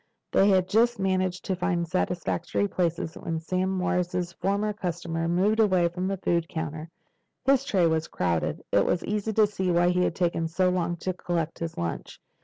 They had just managed to find a satisfactory place when Sam Morris's former customer moved away from the food counters. His tray was crowded. It was easy to see why he had taken so long to collect his lunch.